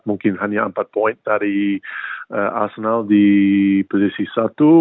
mungkin hanya empat poin dari arsenal di posisi satu